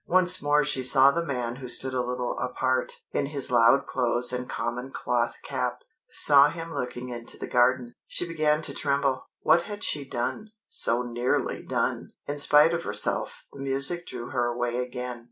Once more she saw the man who stood a little apart, in his loud clothes and common cloth cap, saw him looking into the garden. She began to tremble. What had she done so nearly done! In spite of herself, the music drew her away again.